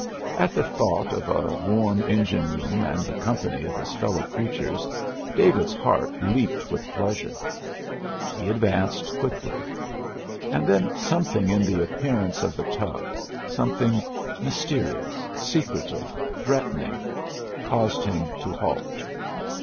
At the thought of a warm engine room and the company of his fellow creatures, David's heart leaped with pleasure. He advanced quickly. And then something in the appearance of the tug, something mysterious, secretive, threatening, caused him to halt.